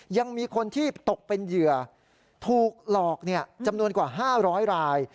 ยังมีคนที่ตกเป็นเหยื่อถูกหลอกจำนวนกว่า๕๐๐ราย